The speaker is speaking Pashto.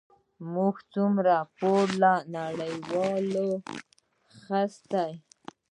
موږ څومره پور له نړیوالو اخیستی؟